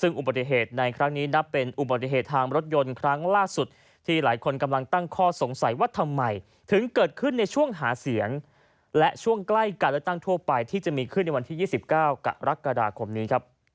ซึ่งอุบัติเหตุในครั้งนี้นับเป็นอุบัติเหตุทางรถยนต์ครั้งล่าสุดที่หลายคนกำลังตั้งข้อสงสัยว่าทำไมถึงเกิดขึ้นในช่วงหาเสียงและช่วงใกล้การเลือกตั้งทั่วไปที่จะมีขึ้นในวันที่๒๙กรกฎาคมนี้ครับ